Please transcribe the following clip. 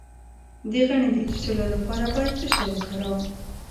د غڼې د چیچلو لپاره باید څه شی وکاروم؟